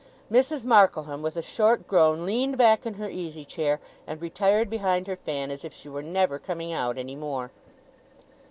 Mrs. Markleham, with a short groan, leaned back in her easy chair; and retired behind her fan, as if she were never coming out any more.